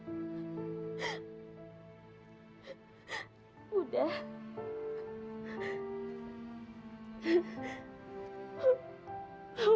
berguna gimana kau dari kamu